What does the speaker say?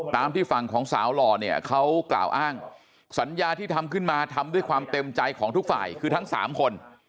ตามที่ฝั่งของสาวหล่อเนี่ยเขากล่าวอ้างสัญญาที่ทำขึ้นมาทำด้วยความเต็มใจของทุกฝ่ายคือทั้งสามคน